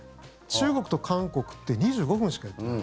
中国と韓国って２５分しかやってない。